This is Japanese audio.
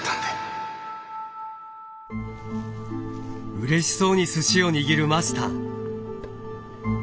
うれしそうにすしを握るマスター。